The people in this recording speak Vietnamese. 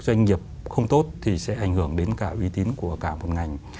doanh nghiệp không tốt thì sẽ ảnh hưởng đến cả uy tín của cả một ngành